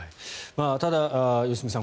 ただ、良純さん